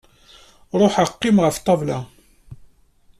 Ruḥeɣ qqimeɣ ɣef ṭṭabla.